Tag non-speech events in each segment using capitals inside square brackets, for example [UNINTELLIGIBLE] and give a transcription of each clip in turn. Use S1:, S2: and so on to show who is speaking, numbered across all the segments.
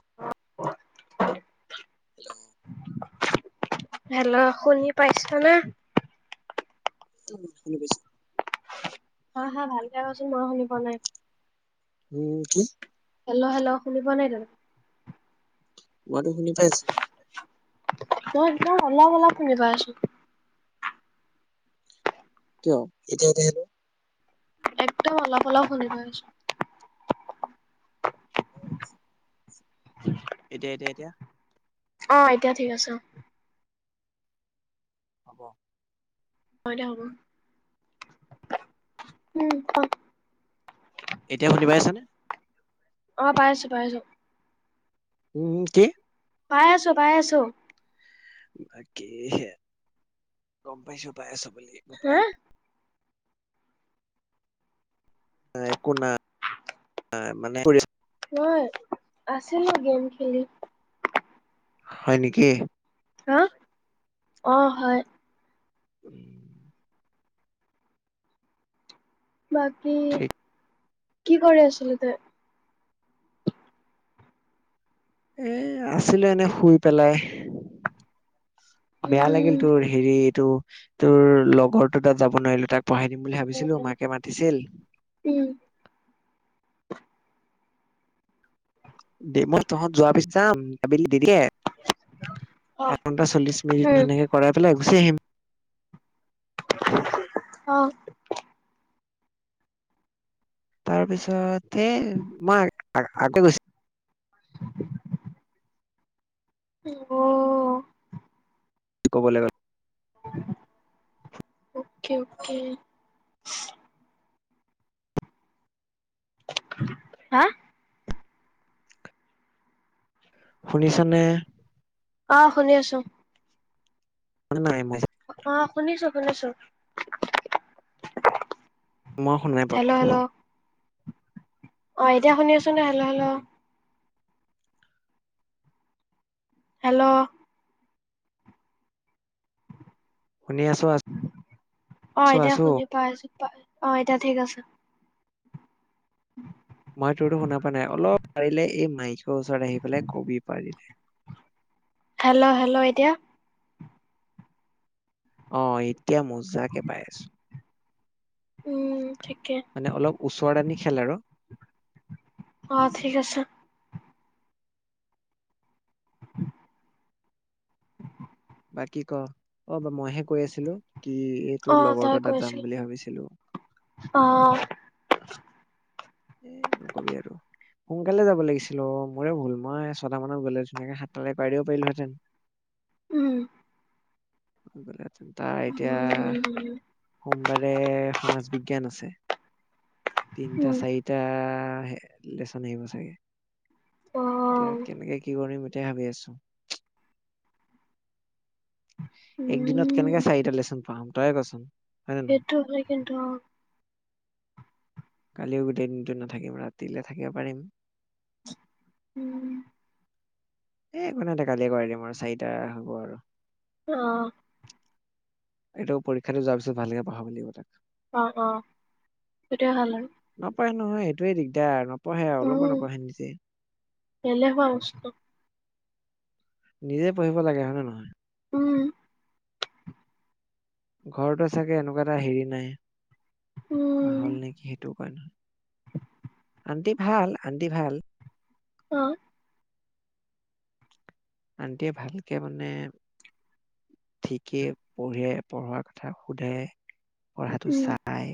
S1: [UNINTELLIGIBLE]
S2: Hello, শুনি পাইছা না।
S1: [UNINTELLIGIBLE] পৈছো
S2: হা-হা ভালকে কোৱাচোন মই শুনি পোৱা নাই।
S1: উম কি?
S2: হেল্ল' হেল্ল' শুনি পোৱা নাই তুমি?
S1: মইতো শুনি পাইছো।
S2: মই একদম অলপ-অলপ শুনি পাই আছো।
S1: কিয় এতিয়া [UNINTELLIGIBLE]
S2: একটা অলপ-অলপ শুনি পাই আছো।
S1: [UNINTELLIGIBLE] এতিয়া, এতিয়া, এতিয়া।
S2: অ', এতিয়া ঠিক আছে অ'।
S1: হব।
S2: উম [UNINTELLIGIBLE]
S1: এতিয়া শুনি পাই আছানে?
S2: অ', পাই আছো, পাই আছো।
S1: উম কি?
S2: পাই আছো, পাই আছো।
S1: বাকী গম পাইছো পাই আছো। বুলি
S2: হা।
S1: পাই এক একো ন মানে
S2: মই আছিলো গেম খেলি।
S1: হয় নেকি?
S2: আহা অ', হয়।
S1: উম।
S2: বাকী
S1: ঠিক
S2: কি কৰি আছিলি তই?
S1: এ আছিলো এনেই শুই পেলাই। বেয়া লাগিল
S2: উম
S1: তোৰ হেৰি এইটো তোৰ লগৰটো তাত যাব নোৱাৰিলো তাক পঢ়াই দিম বুলি ভাবিছিলো,
S2: উম
S1: মাকে মাতিছিল। দে, মই তহঁত যোৱা পিছত যাম আবেলি দেৰিকে
S2: অ
S1: আধা‌ ঘণ্টা চল্লিশ মিনিট
S2: উম
S1: ধুনীয়াকে কৰাই পেলাই গুচি আহিম।
S2: অ'
S1: তাৰপিছত তে মাৰ [UNINTELLIGIBLE] গৈছ
S2: অ'
S1: ক'বলৈ গ
S2: অকে, অকে হা
S1: শুনিছা নে?
S2: অ', শুনি আছোঁ।
S1: [UNINTELLIGIBLE]
S2: অ', শুনিছোঁ, শুনিছোঁ।
S1: মই শুনাই [UNINTELLIGIBLE]
S2: অ', এতিয়া শুনি আছোন ন, হেল্ল, হেল্ল হেল্ল
S1: শুনি আছো আছো
S2: অ',
S1: আছো
S2: এতিয়া
S1: আছো।
S2: শুনি পাই আছোঁ, পাই অ', এতিয়া ঠিক আছ [UNINTELLIGIBLE] [UNINTELLIGIBLE]
S1: মই তোৰতো শুনা পোৱা নাই, অলপ পাৰিলে এই মাইক ওচৰত আহি পেলাই কবি পাৰিলে
S2: হেল্ল, হেল্ল, এতিয়া
S1: অ', এতিয়া মজাকে পাই আছোঁ।
S2: উম ঠিকে
S1: মানে অলপ ওচৰ আনি খেল আৰু
S2: অ', ঠিক আছে।
S1: বাকী ক, অ', বা-মইহে কৈ আছিলোঁ কি এই
S2: অ
S1: তোৰ
S2: তই
S1: লগৰটো এটা
S2: কৈছিল
S1: যাম বুলি ভাবিছিলোঁ।
S2: অ
S1: এ, নকবি আৰু সোনকালে যাব লাগিছিল অ', মোৰে ভুল মই ছটা মানত গ'লে ধুনীয়াকে সাতটালৈ কৰাই দিব পাৰিলোহেঁতেন।
S2: উম।
S1: [UNINTELLIGIBLE] তাৰ এতিয়া
S2: উম
S1: সোমবাৰে সমাজ বিজ্ঞান আছে। তিনিটা,
S2: উম
S1: চাৰিত আ, লেচন আহিব চাগে।
S2: অ
S1: এতিয়া কেনেকে, কি কৰিম তে, ভাবি আছোঁ। এক দিনত
S2: উম
S1: কেনেকে চাৰিটা লেচন পাম? তয়ে কচোন? হয় নে নহয়
S2: সেইটো হয়, কিন্তু অ'।
S1: কালিও গোটেই দিনটো নাথাকিম, ৰাতিলে থাকিব পাৰিম।
S2: উম।
S1: এ, একো নাই দে, কালিয়ে কৰাই দিম আৰু চাৰিটা হ'ব আৰু।
S2: অ'।
S1: এইটো পৰীক্ষাটো যোৱাৰ পিছত ভালকে পঢ়াব লাগিব তাক।
S2: অ', অ', সেইটোয়ে ভাল আৰু
S1: [UNINTELLIGIBLE] সেইটোৱেই দিগদাৰ আৰু ন
S2: উম, এলেহুৱা মস্ত
S1: নিজে পঢ়িব লাগে হয়, নে নহয়?
S2: উম
S1: ঘৰতে চাগে এনেকুৱা এটা হেৰি নাই
S2: উম
S1: নাহল নেকি সেইটো [UNINTELLIGIBLE] আন্টি ভাল, আন্টি ভাল।
S2: অ'।
S1: আণ্টিয়ে ভালকে মানে, ঠিকেই পঢ়ে, পঢ়াৰ কথা সোধে। পঢ়াটো
S2: উম
S1: চাই।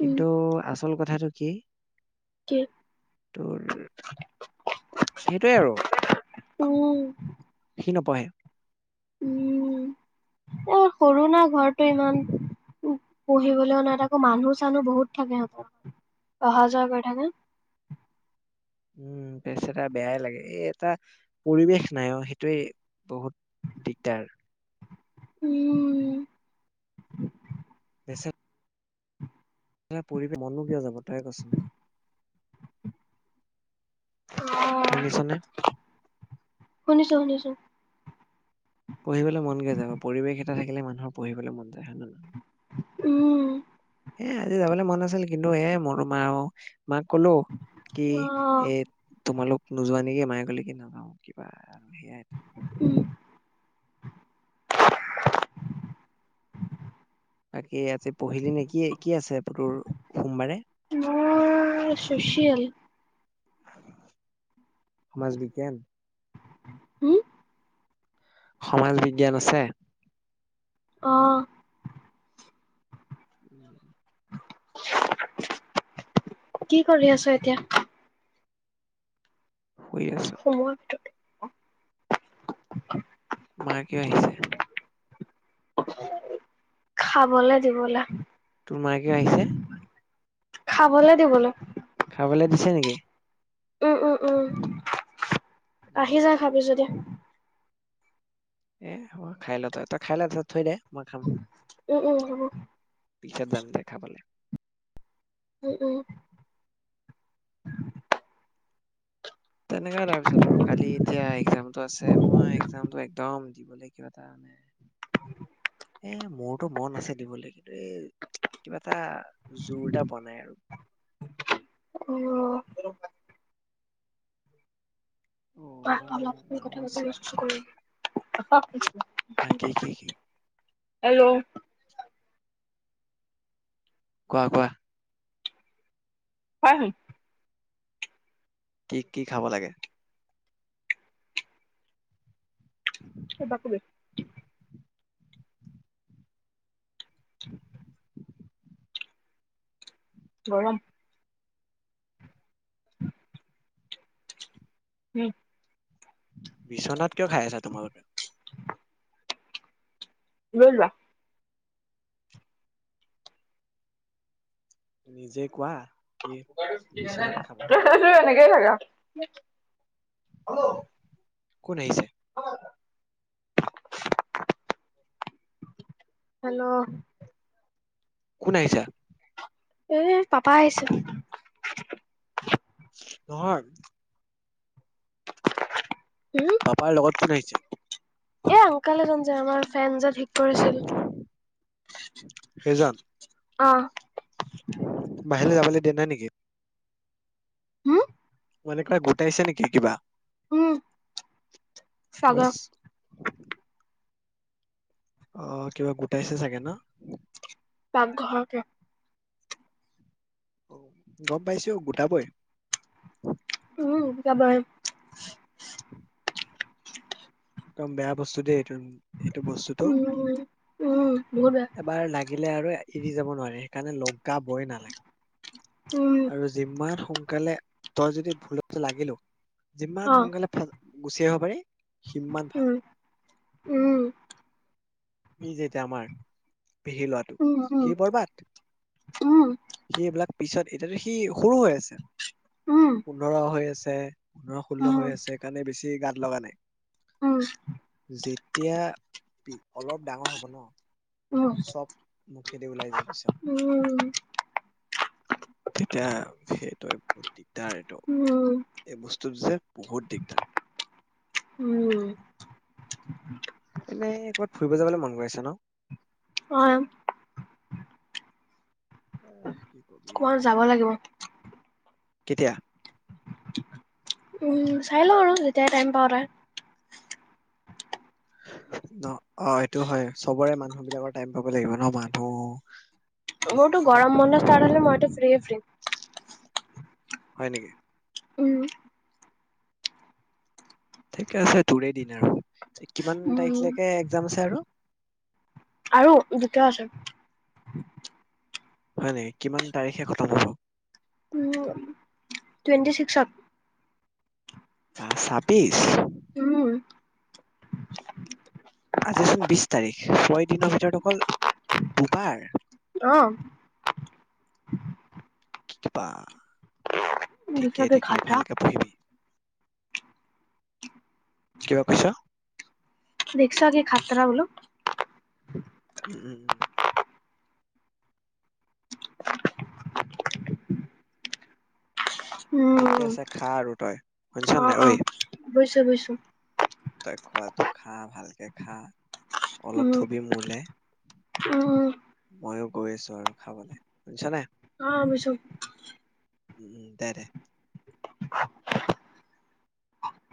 S2: উম
S1: কিন্তু আচল কথাটো কি
S2: কি
S1: তোৰ, সেইটোৱে আৰু।
S2: উম
S1: নপহে।
S2: উম, এই সৰু না ঘৰটো ইমান, উ পঢ়িবলৈওঁ নাই, আকৌ মানুহ চানুহ বহুত থাকে সিহঁতৰ। অহা যোৱা কৰি থাকে।
S1: উম, বেচেৰা বেয়াই লাগে, এই এটা পৰিৱেশ নাই অ', সেইটোৱেই বহুত দিগদাৰ।
S2: উম।
S1: [UNINTELLIGIBLE] [UNINTELLIGIBLE] পঢ়িব মনো কিয় যাব। তয়েই কচোন।
S2: অ',
S1: শুনিছনে?
S2: শুনিছো শুনিছো।
S1: পঢ়িবলৈ মন কিয় যাব, পৰিৱেশ এটা থাকিলে মানুহৰ পঢ়িবলৈ মন যায় হয় নে নহয়?
S2: উম।
S1: এ, আজি যাবলৈ মন আছিল, কিন্তু এ মোৰো মাওঁ মাক ক'লো কি
S2: অহ
S1: এ, তোমালোক নোযোৱা নেকি, মায়ে কলে কি নাযাওঁ কিবা সেয়াই
S2: উম [INAUDIBLE]
S1: বাকী [UNINTELLIGIBLE] পঢ়িলি নে, কি-কি আছে তোৰ সোমবাৰে?
S2: মোৰ চচিয়েল
S1: সমাজ বিজ্ঞান।
S2: উম!
S1: সমাজ বিজ্ঞান আছে?
S2: অ'!
S1: [INAUDIBLE]
S2: কি কৰি আছ এতিয়া?
S1: শুই আছো।
S2: সোমোৱাৰ ভিতৰ [INAUDIBLE]
S1: মা কিয় আহিছে?
S2: খাবলে দিবলে।
S1: তোৰ মায়ে কিয় আহিছে?
S2: খাবলে দিবলৈ।
S1: খাবলে দিছে নেকি?
S2: উম! উম! উম! আহি যা খাবি যদি।
S1: এ খাই ল তই তই খাই ল তাৰপিচত থৈ দে। মই খাম
S2: উম উম হব।
S1: পিছত যাম দে খাবলে।
S2: উম উম
S1: তেনেকুৱা তাৰপিছত আৰু কালি এতিয়া এক্জামটো আছে মই এক্জাম একদম দিবলে কিবা এটা মানে এ মোৰতো মন আছে দিবলে কিন্তু এই কিবা এটা জোৰ এটা পোৱা নাই আৰু
S2: অ'
S1: অ' মাও আছে
S2: [UNINTELLIGIBLE]
S1: নেকি?
S2: [UNINTELLIGIBLE]
S1: হা, কি-কি-কি?
S2: হেল্ল'
S1: কোৱা কোৱা
S2: হয়
S1: কি কি খাব লাগে
S2: কিবা কিবি গৰম উম
S1: বিচনাত কিয় খাই আছা তোমালোকে?
S2: লৈ লোৱা
S1: নিজে কোৱা কি
S2: এটো
S1: বিচনাত খাব নালাগে
S2: এনেকৈয়ে থাকে হেল্ল'।
S1: কোন আহিছে
S2: হেল্ল'?
S1: কোন আহিছা
S2: এই পাপা আহিছে৷
S1: নহয় পাপাৰ লগত কোন আহিছে
S2: এ আংকাল এজন যে আমাৰ ফেনজন ঠিক কৰিছিল অ
S1: বাহিৰলে যাবলে দিয়া নাই নেকি
S2: উম।
S1: [UNINTELLIGIBLE] গোটাইছে নেকি কিবা
S2: উম,
S1: কি বাছ?
S2: চাগৰ
S1: অ কিবা গোটাইছে চাগে না।
S2: পাকঘৰতে।
S1: গম পাইছোঁ গোটাবয়ে।
S2: উমাপ [UNINTELLIGIBLE]
S1: উম। একদম বেয়া বস্তু দেই এইটো এইটো বস্তুটো
S2: উম, উম, বহুত বেয়া
S1: এবাৰ লাগিলে আৰু এৰি যাব নোৱাৰে। কাৰণে লগ গাবই নালাগে
S2: উম,
S1: আৰু যিমান কলে তই যদি ভুলটো লাগিলো যিমান
S2: অ',
S1: সোনকালে গুচি আহিব পাৰি। সিমান ভাল
S2: উম, উম,
S1: ই যেতিয়া আমাৰ পেহি ল'ৰাটো
S2: উম,
S1: সি বৰবাদ,
S2: উম,
S1: সি এইবিলাক পিছত এতিয়াতো সি সৰু হৈ আছে।
S2: উম, উম,
S1: পোন্ধৰ হৈ আছে। তে পোন্ধৰ ষোল্ল
S2: উম,
S1: হৈ আছে কাৰণে বেছি গাত লগা নাই।
S2: উম।
S1: যেতিয়া অলপ ডাঙৰ হ'ব ন
S2: উম,
S1: চব মুখেদি ওলাই [UNINTELLIGIBLE]
S2: উম,
S1: তেতিয়া সেইটোৱে। দিগদাৰ এইটো
S2: উম,
S1: এই বস্তুটো যে বহুত দিগদাৰ।
S2: উম,
S1: এনেই ক'ৰবাত ফুৰিব যাবলে মনগৈ আছে ন।
S2: অ',
S1: অ' কি কবি।
S2: ক'ৰবাত যাব লাগিব।
S1: কেতিয়া।
S2: উম, চাই লওঁ আৰু যেতিয়াই টাইম পাও তা
S1: ন? অ' এইটো হয় চবৰে মান মানুহ বিলাকৰ টাইম পাব লাগিব ন মানুহ
S2: মোৰতো গৰম বন্ধ ষ্টাৰ্ট হলে মইতো ফ্ৰীয়ে ফ্ৰী।
S1: হয় নেকি?
S2: উম।
S1: ঠিকে আছে তোৰেই দিন আৰু। কিমান
S2: উম
S1: তাৰিখলৈকে এক্জাম আছে আৰু?
S2: আৰু দুটা আছে [INAUDIBLE]
S1: হয় নেকি? কিমান তাৰিখে খটম হ'ব?
S2: উম টুৱেণ্টি ছিক্সত।
S1: বা ছাব্বিশ।
S2: উম [UNINTELLIGIBLE]
S1: আজিচোন বিশ তাৰিখ। ছয় দিনৰ ভিতৰত অকল দুবাৰ।
S2: অ
S1: কি কিবা?
S2: ৰিক্সা
S1: ঠিকেই
S2: কে
S1: ঠিকেই
S2: খাতৰা
S1: ভালকে পঢ়িবি। কিবা কৈছ?
S2: দেখচা আজি খাতৰা বোলো!
S1: উম! ঠিকে
S2: উম
S1: আছে। খা আৰু তই শুনিছ নাই ঐ?
S2: বুজিছোঁ।
S1: তই খোৱাাটো খা ভালকে খা! অলপ
S2: উম
S1: থবি মোলে
S2: উম উম
S1: মইয়ো গৈ আছোঁ আৰু খাবলৈ। শুনিছ নাই?
S2: অ'! বুইছো।
S1: উম, দে দে।
S2: [UNINTELLIGIBLE]